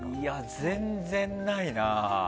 全然ないな。